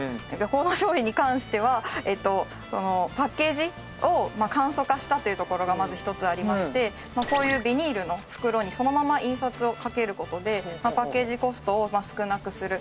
この商品に関してはパッケージを簡素化したというところがまず一つありましてこういうビニールの袋にそのまま印刷をかける事でパッケージコストを少なくする。